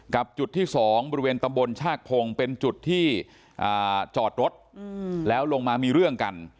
จุดที่๒บริเวณตำบลชากพงศ์เป็นจุดที่จอดรถแล้วลงมามีเรื่องกัน